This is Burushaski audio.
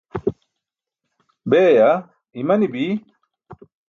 Beeya imanibi.